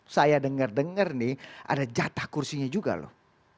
saya dengar dengar nih ada jatah kursinya juga loh